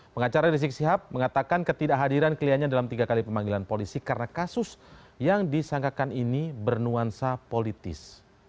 pengacara rizik sihab mengatakan ketidakhadiran kliennya dalam tiga kali pemanggilan polisi karena kasus yang disangkakan ini bernuansa politis